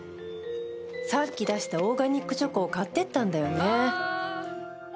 さっき出したオーガニックチョコを買ってったんだよね。